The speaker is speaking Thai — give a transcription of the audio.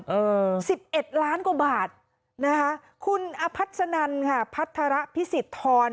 เออสิบเอ็ดล้านกว่าบาทนะคะคุณอภัสนันค่ะพัฒระพิสิทธร